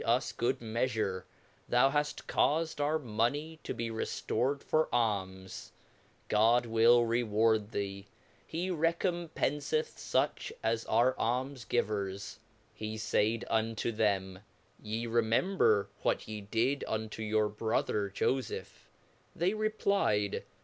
s good meafure; thou haft caufed our money to be reftored for alms, God will reward thee , he recompenceth fuch as are Alms givers. He faid unto them , Ye remember what ye did unto your bro ther Jofeph : They replyed.